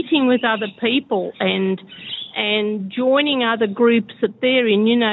juga tidak bisa dianggap remeh